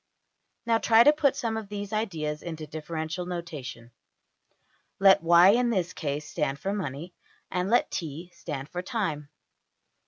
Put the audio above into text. Now try to put some of these ideas into differential notation. Let $y$ in this case stand for money, and let $t$ stand for time.